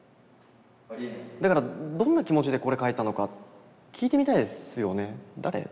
だからどんな気持ちでこれ書いたのか聞いてみたいですよね。